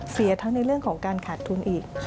เสียทั้งในเรื่องของการขาดทุนอีก